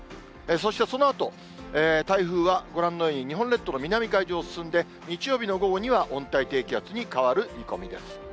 そしてそのあと、台風はご覧のように、日本列島の南海上を進んで、日曜日の午後には温帯低気圧に変わる見込みです。